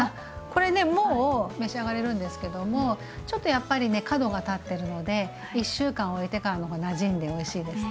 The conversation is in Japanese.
これねもう召し上がれるんですけどもちょっとやっぱりね角が立ってるので１週間おいてからの方がなじんでおいしいです。